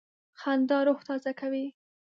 خندا روح تازه کوي.